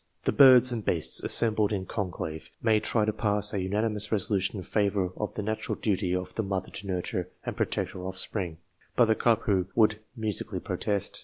The birds and beasts assembled in conclave may try to pass a unanimous resolution in favour of the natural duty of the mother to nurture and protect her offspring, but the cuckoo would musically protest.